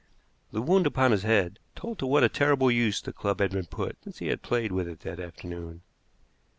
The wound upon his head told to what a terrible use the club had been put since he had played with it that afternoon.